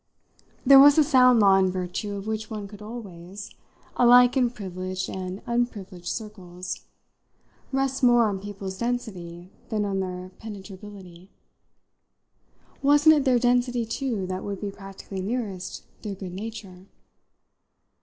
There was a sound law in virtue of which one could always alike in privileged and unprivileged circles rest more on people's density than on their penetrability. Wasn't it their density too that would be practically nearest their good nature?